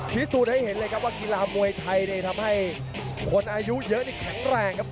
พิสูจน์ให้เห็นเลยครับว่ากีฬามวยไทยนี่ทำให้คนอายุเยอะนี่แข็งแรงครับ